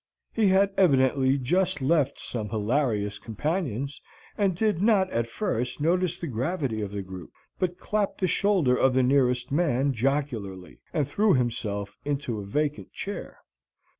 He had evidently just left some hilarious companions, and did not at first notice the gravity of the group, but clapped the shoulder of the nearest man jocularly, and threw himself into a vacant chair.